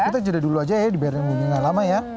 kita jeda dulu aja ya dibayarnya nggak lama ya